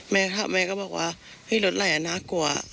แม่ก็บอกว่ารถไหล่น่ากลัว